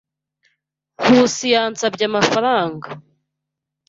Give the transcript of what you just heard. Nkusi yansabye amafaranga.